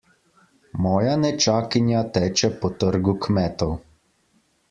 Moja nečakinja teče po trgu kmetov.